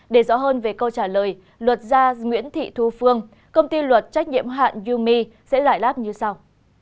để rõ hơn về câu trả lời luật gia nguyễn thị thu phương công ty luật trách nhiệm hạn umi sẽ loại láp như sau